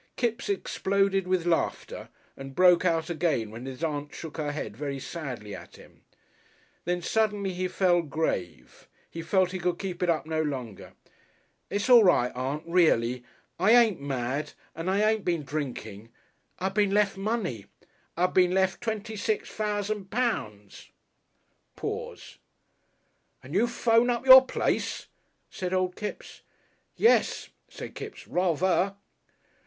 Kipps exploded with laughter and broke out again when his Aunt shook her head very sadly at him. Then suddenly he fell grave. He felt he could keep it up no longer. "It's all right, Aunt. Reely. I ain't mad and I ain't been drinking. I been lef' money. I been left twenty six fousand pounds." Pause. "And you thrown up your place?" said Old Kipps. "Yes," said Kipps. "Rather!"